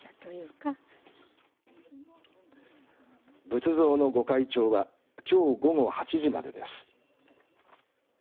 仏像のご開帳はきょう午後８時までです。